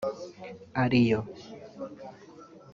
ari yo